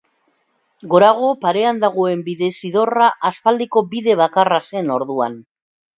Gorago parean dagoen bidezidorra aspaldiko bide bakarra zen orduan.